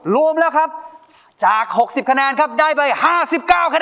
รวมแล้วครับจาก๖๐คะแนนครับได้ไป๕๙แน